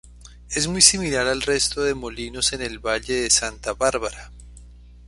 Es muy similar al resto de molinos en el valle de Santa Bárbara.